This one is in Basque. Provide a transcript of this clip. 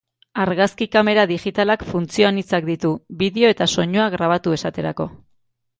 Argazki-kamera digitalak funtzio anitzak ditu, bideo eta soinua grabatu esaterako.